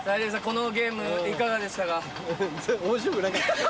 このゲームいかがでしたか？